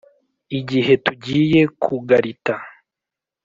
Igihe tugiye kugarita